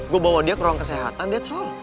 gue bawa dia ke ruang kesehatan that's all